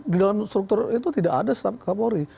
di dalam struktur itu tidak ada staf kapolri